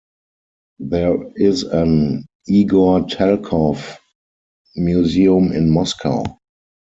There is an Igor Talkov Museum in Moscow.